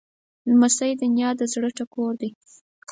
لمسی د نیا د زړه ټکور دی.